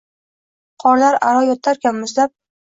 Qorlar aro yotarkan muzlab